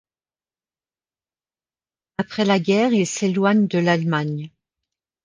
Après la guerre, il s'éloigne de l'Allemagne.